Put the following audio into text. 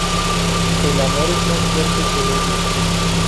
El amor es más fuerte que el odio